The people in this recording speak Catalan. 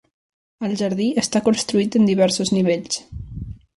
El jardí esta construït en diversos nivells.